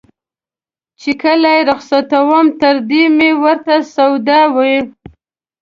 چې کله یې رخصتوم تر ډېره مې ورته سودا وي.